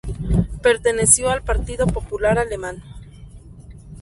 Perteneció al Partido Popular Alemán.